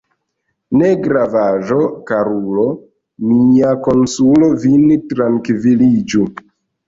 Negravaĵo, karulo mia, konsolu vin, trankviliĝu.